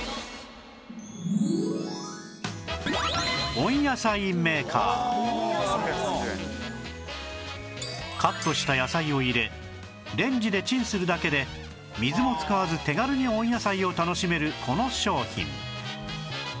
「温野菜」カットした野菜を入れレンジでチンするだけで水も使わず手軽に温野菜を楽しめるこの商品